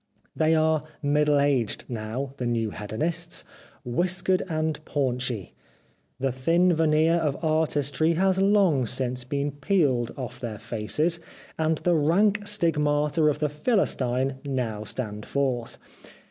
They are middle aged now, the new Hedonists, whiskered and paunchy. The thin veneer of artistry has long since been peeled off their faces, and the rank stigmata of the Philistine now stand forth.